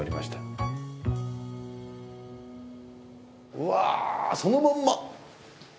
うわそのまんま！